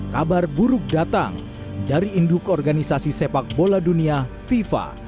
kabar buruk datang dari induk organisasi sepak bola dunia fifa